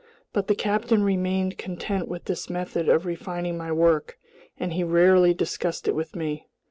But the captain remained content with this method of refining my work, and he rarely discussed it with me.